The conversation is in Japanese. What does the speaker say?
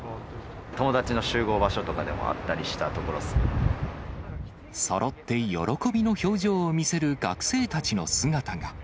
友達の集合場所とかでもあっそろって喜びの表情を見せる学生たちの姿が。